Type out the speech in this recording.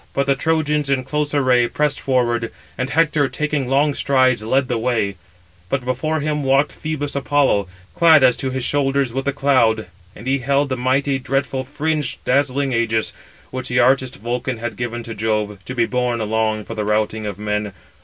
But the Trojans in close array pressed forward; and Hector, taking long strides, led the way; but before him walked Phœbus Apollo, clad as to his shoulders with a cloud, 493 and he held the mighty, dreadful, fringed, 494 dazzling ægis, which the artist Vulcan had given to Jove, to be borne along for the routing of men.